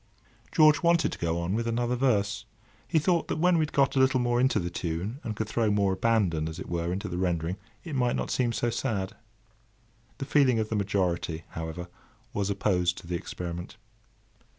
George wanted to go on with another verse. He thought that when he had got a little more into the tune, and could throw more "abandon," as it were, into the rendering, it might not seem so sad. The feeling of the majority, however, was opposed to the experiment.